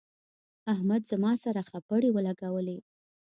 احمد زما سره خپړې ولګولې.